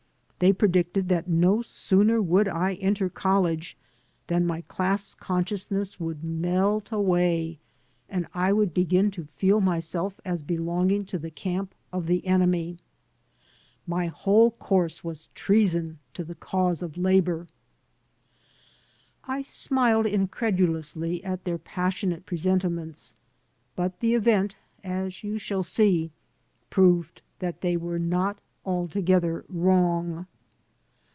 They predicted that no sooner would I enter college than my class conscious 193 AN AMERICAN IN THE MAKING ness would melt away and I would begin to feel myself as belonging in the camp of the enemy. My whole course was treason to the cause of labor. I smiled incredulously at their passionate presentiments; but the event, as you shall see, proved that they were not altogether wrong.